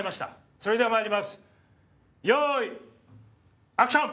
それではまいりますよいアクション！